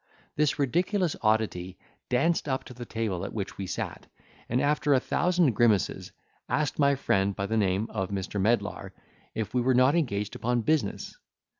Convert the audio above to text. This ridiculous oddity danced up to the table at which we sat, and, after a thousand grimaces, asked my friend by the name of Mr. Medlar, if we were not engaged upon business.